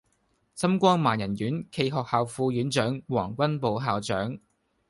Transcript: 心光盲人院暨學校副院長黃君寶校長